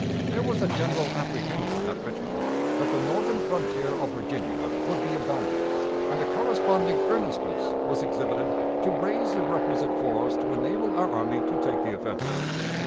There was a general apprehension at Richmond that the northern frontier of Virginia would be abandoned, and a corresponding earnestness was exhibited to raise the requisite force to enable our army to take the offensive.